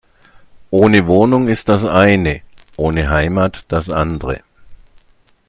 Ohne Wohnung ist das eine, ohne Heimat das andere.